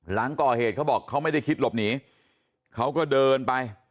หลังก่อเหตุเขาบอกเขาไม่ได้คิดหลบหนีเขาก็เดินไป